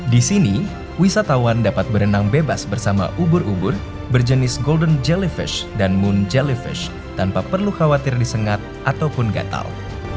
di sini wisatawan dapat berenang bebas bersama ubur ubur berjenis golden jelifesh dan moon jelifesh tanpa perlu khawatir disengat ataupun gatal